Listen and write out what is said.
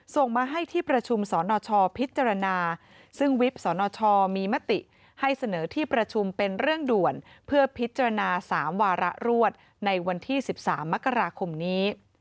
ส่งมาให้ที่ประชุมสนชพิจารณาซึ่งวิบสนชมีมติให้เสนอที่ประชุมเป็นเรื่องด่วนเพื่อพิจารณา๓วาระรวดในวันที่๑๓มกราคมนี้